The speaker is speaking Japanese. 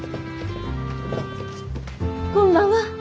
こんばんは。